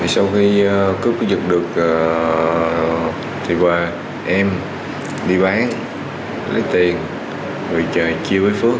sau khi cấp giật được thì qua em đi bán lấy tiền vì trời chiêu với phước